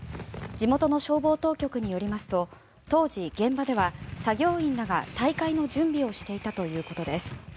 地元の消防当局によりますと当時、現場では作業員らが大会の準備をしていたということです。